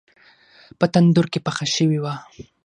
په تندور کې پخه شوې وه.